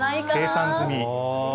計算済み。